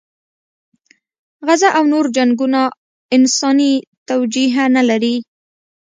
غزه او نور جنګونه انساني توجیه نه لري.